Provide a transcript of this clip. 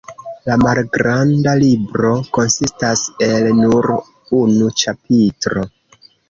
La malgranda libro konsistas el nur unu ĉapitro.